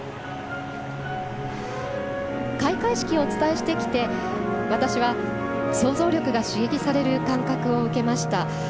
開会式をお伝えしてきて私は、想像力が刺激される感覚を受けました。